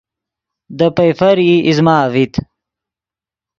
دے پئیفر ای ایزمہ اڤیت